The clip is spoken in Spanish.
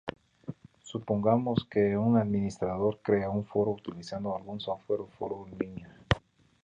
Supongamos que un administrador crea un foro utilizando algún software de foro en línea.